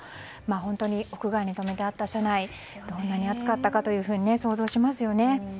本当に屋外に止めてあった車内はどれぐらい暑かったかと想像しますよね。